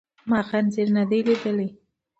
ما خنزير ندی لیدلی.